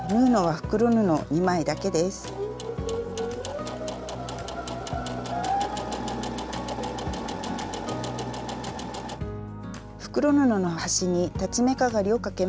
袋布の端に裁ち目かがりをかけます。